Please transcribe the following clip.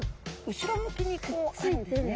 後ろ向きにこうあるんですね。